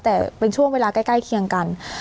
แต่เป็นช่วงเวลาใกล้เคียงกัน